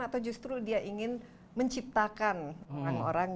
atau justru dia ingin menciptakan orang orang